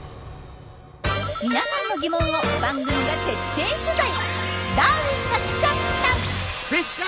皆さんの疑問を番組が徹底取材！